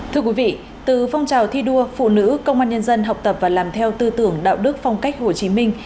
thưa quý vị từ phong trào thi đua phụ nữ công an nhân dân học tập và làm theo tư tưởng đạo đức phong cách hồ chí minh